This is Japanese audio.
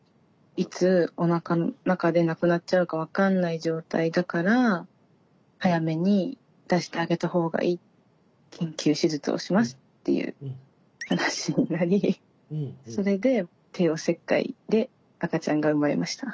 いつおなかの中で亡くなっちゃうか分かんない状態だから早めに出してあげた方がいい緊急手術をしますっていう話になりそれで帝王切開で赤ちゃんが生まれました。